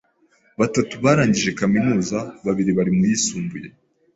batatu barangije kaminuza, babiri bari mu yisumbuye